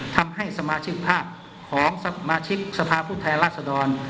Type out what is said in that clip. ทำให้สมาชิกภาพของสมาชิกสภาพผู้แทนราชดร